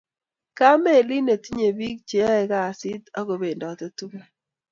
Kaa melit netinye bik che yaeeeei kasii and chependate tugul